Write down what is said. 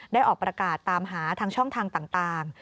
ออกประกาศตามหาทางช่องทางต่าง